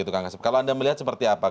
kalau anda melihat seperti apa